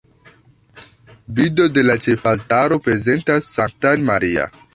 Bildo de la ĉefaltaro prezentas Sanktan Maria.